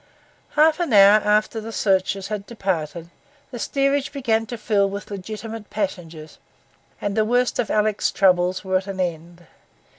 Half an hour after the searchers had departed, the steerage began to fill with legitimate passengers, and the worst of Alick's troubles was at an end.